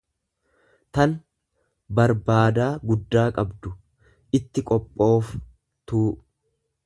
tan.barbaadaa guddaa qabdu, itti qophoof tuu.